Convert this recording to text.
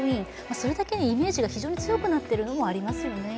それだけにイメージが非常に強くなっているのはありますよね。